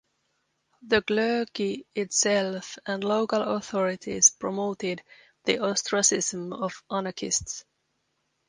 The clergy itself and local authorities promoted the ostracism of anarchists.